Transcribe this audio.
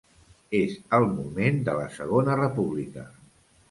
És el moment de la Segona República.